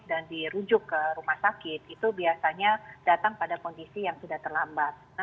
dan dirujuk ke rumah sakit itu biasanya datang pada kondisi yang sudah terlambat